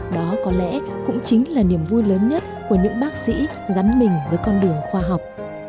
đó có lẽ cũng chính là niềm vui lớn nhất của những bác sĩ gắn mình với con đường khoa học